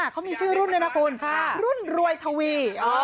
เขามีชื่อรุ่นนะรุ่นรวยทวี